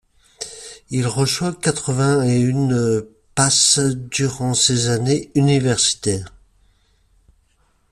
Il reçoit quatre-vingt-et-une passe durant ces années universitaires.